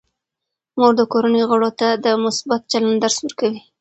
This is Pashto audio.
مور د کورنۍ غړو ته د مثبت چلند درس ورکوي.